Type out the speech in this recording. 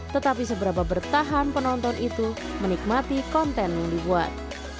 tetapi seberapa bertahan penonton itu menikmati konten yang dibuat